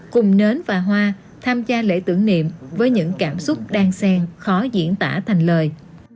cùng nến và hoa tham gia lễ tưởng niệm với những cảm xúc đan sen khó diễn tả thành lời